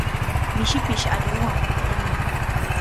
Mishipish allquwan pukllanmi.